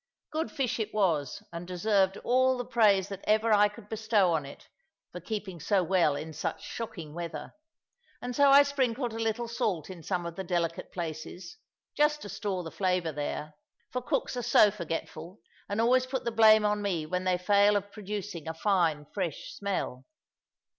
Good fish it was, and deserved all the praise that ever I could bestow on it, for keeping so well in such shocking weather; and so I sprinkled a little salt in some of the delicate places, just to store the flavour there; for cooks are so forgetful, and always put the blame on me when they fail of producing a fine fresh smell.